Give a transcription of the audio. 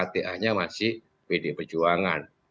sebenarnya masih pdip perjuangan